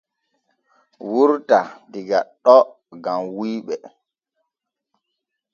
Wurta diga ɗo gam guyɓe.